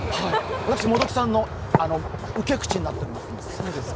私、本木さんの受け口になっていますので。